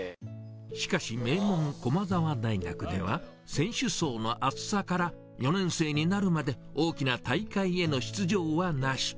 しかし、名門、駒澤大学では、選手層の厚さから、４年生になるまで、大きな大会への出場はなし。